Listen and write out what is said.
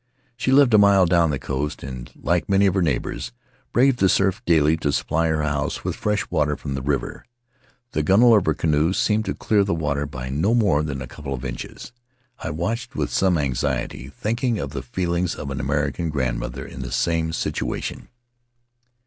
She lived a mile down the coast and, like many of her neighbors, braved the surf daily to supply her house with fresh water from the river. The gunwale of her canoe seemed to clear the water by no more than a couple of inches; I watched with some anxiety, thinking of the feelings of an American grandmother in the same situation.